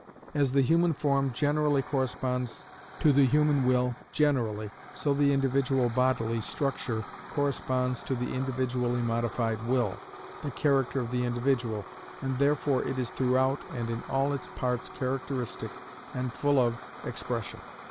As the human form generally corresponds to the human will generally, so the individual bodily structure corresponds to the individually modified will, the character of the individual, and therefore it is throughout and in all its parts characteristic and full of expression.